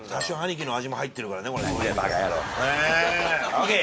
ＯＫ。